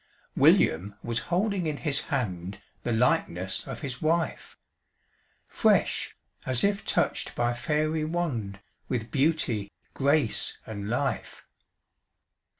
William was holding in his hand The likeness of his wife! Fresh, as if touched by fairy wand, With beauty, grace, and life.